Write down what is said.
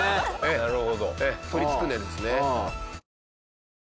なるほど。